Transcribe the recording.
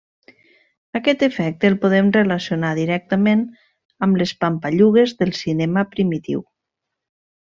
Aquest efecte el podem relacionar directament amb les pampallugues del cinema primitiu.